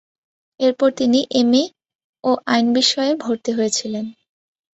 এরপর তিনি এমএ ও আইন বিষয়ে ভর্তি হয়েছিলেন।